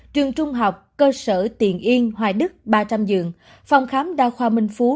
trường trung học cơ sở tiền yên hoài đức ba trăm linh giường phòng khám đa khoa minh phú